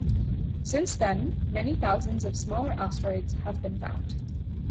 Since then, many thousands of smaller asteroids have been found.